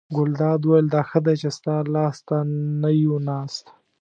ګلداد وویل: دا ښه دی چې ستا لاس ته نه یو ناست.